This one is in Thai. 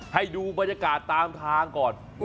ให้ดูบรรยากาศตามทางก่อน